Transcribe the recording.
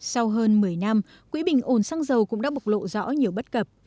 sau hơn một mươi năm quỹ bình ổn xăng dầu cũng đã bộc lộ rõ nhiều bất cập